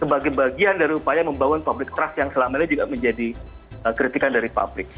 sebagai bagian dari upaya membangun publik keras yang selamanya juga menjadi kritikan dari publik